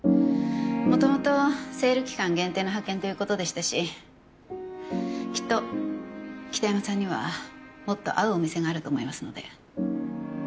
もともとセール期間限定の派遣ということでしたしきっと北山さんにはもっと合うお店があると思いますので。